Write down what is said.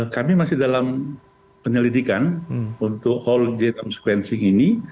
kami masih dalam penyelidikan untuk whole genome sequencing ini